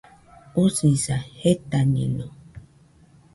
Usisa, jetañeno